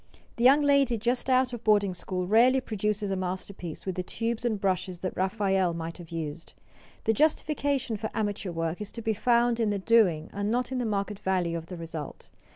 The young lady just out of boarding school rarely produces a masterpiece with the tubes and brushes that Raphael might have used. The justification for amateur work is to be found in the doing and not in the market value of the result.